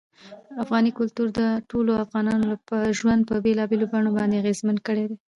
افغاني کلتور د ټولو افغانانو ژوند په بېلابېلو بڼو باندې اغېزمن کړی دی.